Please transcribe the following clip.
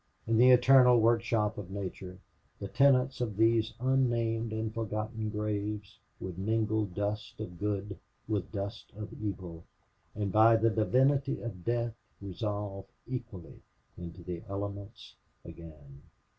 In the eternal workshop of nature, the tenants of these unnamed and forgotten graves would mingle dust of good with dust of evil, and by the divinity of death resolve equally into the elements again.